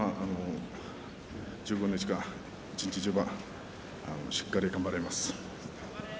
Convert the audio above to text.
１５日間一日一番しっかり頑張ります。